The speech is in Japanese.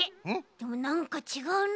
でもなんかちがうな。